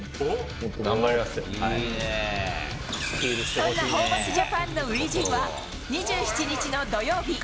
そんな、ホーバスジャパンの初陣は２７日の土曜日。